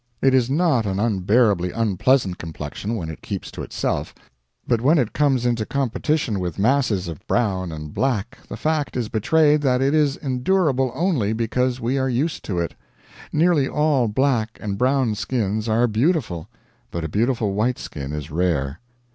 It is not an unbearably unpleasant complexion when it keeps to itself, but when it comes into competition with masses of brown and black the fact is betrayed that it is endurable only because we are used to it. Nearly all black and brown skins are beautiful, but a beautiful white skin is rare.